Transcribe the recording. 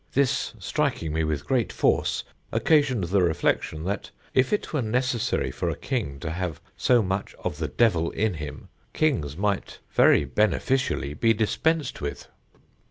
This, striking me with great force, occasioned the reflection, that if it were necessary for a king to have so much of the devil in him, kings might very beneficially be dispensed with."